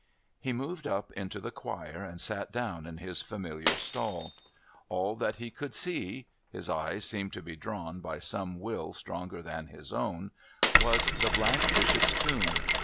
He moved up into the choir and sat down in his familiar stall; all that he could see his eyes seemed to be drawn by some will stronger than his own was the Black Bishop's Tomb.